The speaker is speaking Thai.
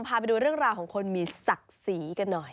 พาไปดูเรื่องราวของคนมีศักดิ์ศรีกันหน่อย